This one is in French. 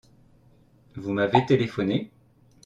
Vous m'avez téléphoné ?